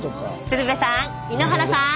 鶴瓶さん井ノ原さん。